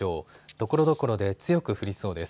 ところどころで強く降りそうです。